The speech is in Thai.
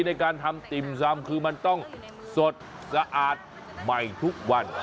ในการทำติ่มซำคือมันต้องสดสะอาดใหม่ทุกวัน